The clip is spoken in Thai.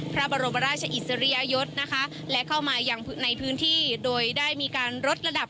พระบรมราชอิสริยยศนะคะและเข้ามาอย่างในพื้นที่โดยได้มีการลดระดับ